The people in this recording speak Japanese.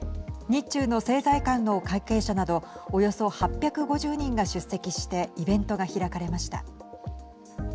日中の政財界の関係者などおよそ８５０人が出席してイベントが開かれました。